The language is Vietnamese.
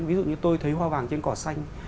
ví dụ như tôi thấy hoa vàng trên cỏ xanh